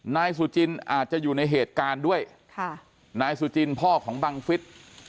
นายสุจินอาจจะอยู่ในเหตุการณ์ด้วยค่ะนายสุจินพ่อของบังฟิศ